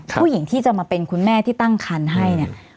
ผู้หญิงที่จะมาเป็นคุณแม่ที่ตั้งคันให้เนี่ย